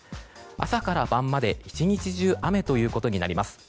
朝から晩まで１日中雨ということになります。